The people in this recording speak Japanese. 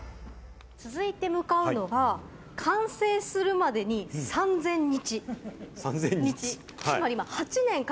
続いて向かうのが、完成するまでに３０００日。